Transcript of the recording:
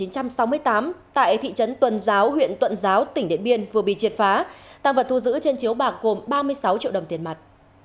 từ năm một nghìn chín trăm sáu mươi tám tại thị trấn tuần giáo huyện tuận giáo tỉnh điện biên vừa bị triệt phá tăng vật thu giữ trên chiếu bạc gồm ba mươi sáu triệu đồng tiền mặt